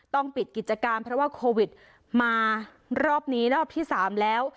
ต้องปิดกิจการเพราะว่าโควิดมารอบนี้รอบที่๓แล้ว